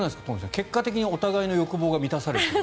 結果的にお互いの欲望が満たされている。